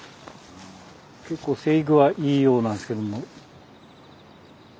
結構生育はいいようなんですけども。